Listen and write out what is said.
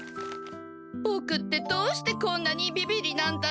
ボクってどうしてこんなにビビリなんだろう。